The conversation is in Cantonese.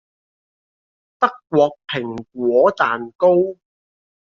德國蘋果蛋糕